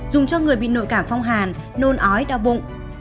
dùng cho người bị nội cảm phong hàn nôn ói đau bụng